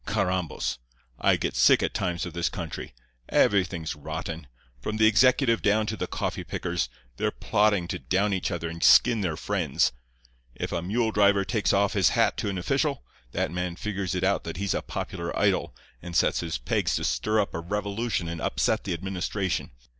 Carrambos! I get sick at times of this country. Everything's rotten. From the executive down to the coffee pickers, they're plotting to down each other and skin their friends. If a mule driver takes off his hat to an official, that man figures it out that he's a popular idol, and sets his pegs to stir up a revolution and upset the administration.